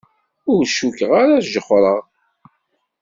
Ur cukkeɣ ara jexxreɣ.